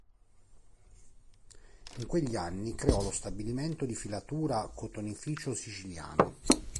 In quegli anni creò lo stabilimento di filatura "Cotonificio siciliano".